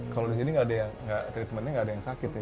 kalau di sini treatmentnya nggak ada yang sakit ya